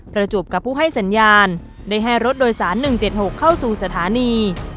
ประจวบกับผู้ให้สัญญาณได้ให้รถโดยสาร๑๗๖เข้าสู่สถานี